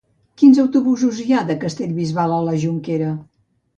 Quins autobusos hi ha de Castellbisbal a la Jonquera?